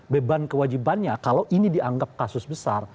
beban kewajibannya kalau ini dianggap kasus besar